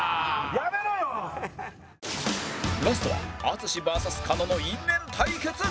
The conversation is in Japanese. ラストは淳 ＶＳ 狩野の因縁対決